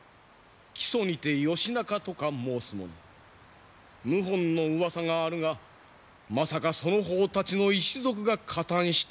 木曽にて義仲とか申す者謀反のうわさがあるがまさかその方たちの一族が加担しておるのではあるまいな？